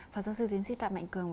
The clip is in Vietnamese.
phần giáo sư tiến sĩ tạm mạnh cường